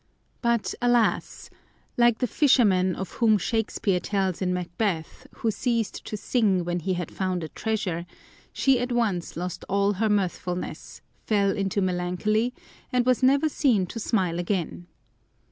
But alas! like the fisherman of whom Shakespeare tells in Macbeth, who ceased to sing when he had found a treasure, she at once lost all her mirthfulness, fell into melancholy, and was never seen to smile again.